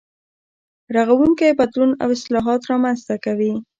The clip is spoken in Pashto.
رغونکی بدلون او اصلاحات رامنځته کوي.